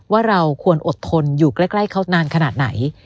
ว่าเราควรอดทนอยู่ใกล้เขานานขนาดไหน